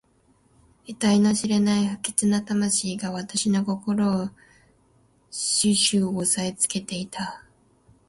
えたいの知れない不吉な魂が私の心を始終おさえつけていた。